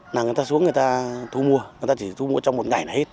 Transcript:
là người ta xuống người ta thu mua người ta chỉ thu mua trong một ngày là hết